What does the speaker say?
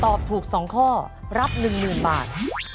ตอบถูก๒ข้อรับ๑๐๐๐บาท